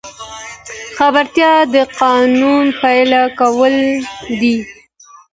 خبرتیا د قانون پلي کول دي